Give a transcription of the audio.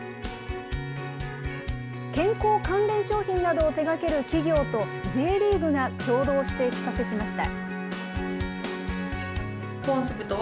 健康関連商品などを手がける企業とＪリーグが共同して企画しました。